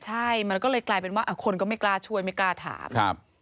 ใช่มันก็เลยกลายเป็นว่าคนก็ไม่กล้าช่วยไม่กล้าถาม